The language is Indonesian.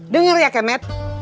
dengar ya kemek